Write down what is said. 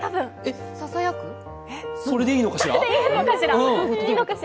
それでいいのかしら？